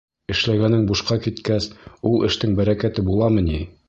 Эшләгәнең бушҡа киткәс, ул эштең бәрәкәте буламы ни?